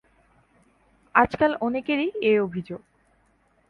আজকাল অনেকেরই এ অভিযোগ।